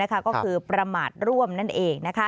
ก็คือประมาทร่วมนั่นเอง